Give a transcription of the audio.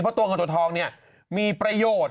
เพราะตัวเงินตัวทองเนี่ยมีประโยชน์